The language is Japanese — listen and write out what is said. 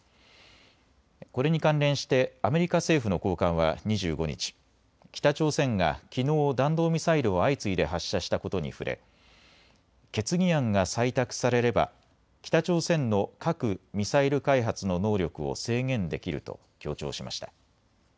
これに関連してアメリカ政府の高官は２５日、北朝鮮がきのう弾道ミサイルを相次いで発射したことに触れ決議案が採択されれば北朝鮮の核・ミサイル開発の能力を制限できると強調しました。